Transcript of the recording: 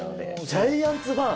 ジャイアンツファン？